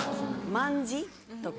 「卍」とか。